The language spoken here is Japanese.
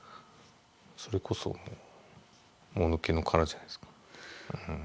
それこそもぬけの殻じゃないですか。